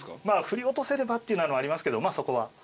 まあ振り落とせればっていうのはありますけどまあそこは。